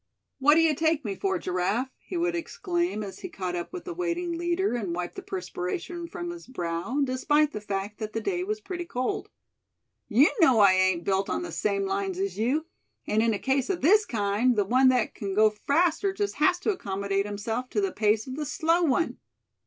"What d'ye take me for, Giraffe?" he would exclaim, as he caught up with the waiting leader, and wiped the perspiration from his brow, despite the fact that the day was pretty cold. "You know I ain't built on the same lines as you; and in a case of this kind, the one that c'n go faster just has to accommodate himself to the pace of the slow one.